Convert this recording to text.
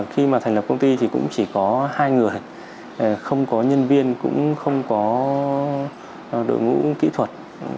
khi mà thành lập công ty thì cũng chỉ có hai người không có nhân viên cũng không có đội ngũ kỹ thuật